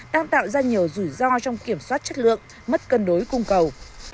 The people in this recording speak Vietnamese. đang tạo ra nhiều rủi ro trong kiểm soát chất lượng mất cân đối cung cầu